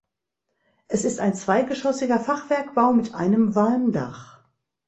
Es ist ein zweigeschossiger Fachwerkbau mit einem Walmdach.